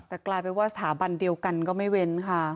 แต่กลายเป็นว่าสถาบันเดียวกันก็ไม่เว้นค่ะ